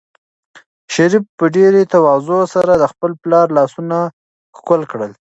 شریف په ډېرې تواضع سره د خپل پلار لاسونه ښکل کړل.